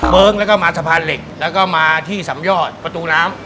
แล้วก็มาสะพานเหล็กแล้วก็มาที่สำยอดประตูน้ำ